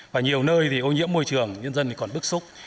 và nhiều nơi thì ô nhiễm môi trường nhân dân còn bức xúc